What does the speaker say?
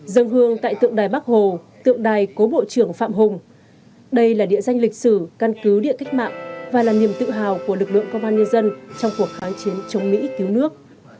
dân hương tại tượng đài bắc hồ tượng đài cố bộ trưởng phạm hùng đây là địa danh lịch sử căn cứ địa cách mạng và là niềm tự hào của lực lượng công an nhân dân trong cuộc kháng chiến chống mỹ cứu nước